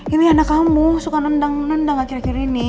ini anak kamu suka nendang nendang akhir akhir ini